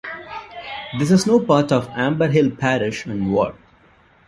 This is now part of Amber Hill parish and ward.